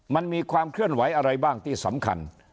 มันมีความเคลื่อนไหวอะไรบ้างที่สำคัญ